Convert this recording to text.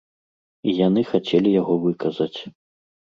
І яны хацелі яго выказаць.